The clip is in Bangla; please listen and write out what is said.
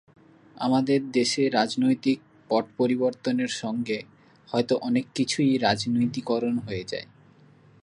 আমাদের দেশে রাজনৈতিক পটপরিবর্তনের সঙ্গে হয়তো অনেক কিছুই রাজনীতিকরণ হয়ে যায়।